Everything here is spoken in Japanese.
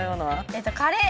えっとカレー。